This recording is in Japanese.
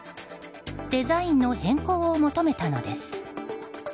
デザインの変更を求めたのです。